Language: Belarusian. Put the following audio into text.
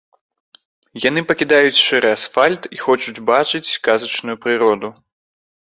Яны пакідаюць шэры асфальт і хочуць бачыць казачную прыроду.